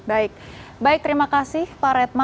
baik baik terima kasih pak retma